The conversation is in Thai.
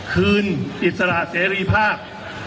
อิสระเสรีภาพ